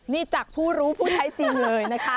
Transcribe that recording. นี่จากผู้รู้ผู้ใช้จริงเลยนะคะ